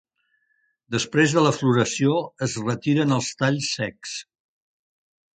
Després de la floració es retiren els talls secs.